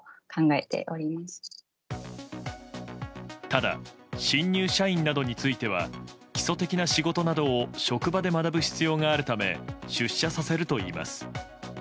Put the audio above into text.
ただ、新入社員などについては基礎的な仕事などを職場で学ぶ必要があるため出社させるといいます。